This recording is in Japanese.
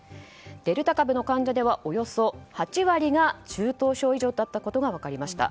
デルタ株の患者ではおよそ８割が中等症以上だったことが分かりました。